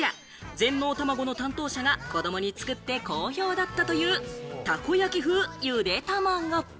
全農たまごの担当者が子どもに作って好評だったというたこ焼き風ゆでたまご。